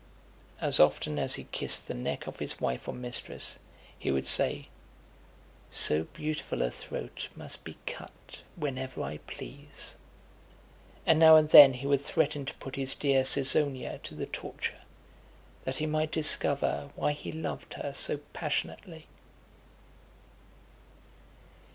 As often as he kissed the neck of his wife or mistress, he would say, "So beautiful a throat must be cut whenever I please;" and now and then he would threaten to put his dear Caesonia to the torture, that he might discover why he loved her so passionately.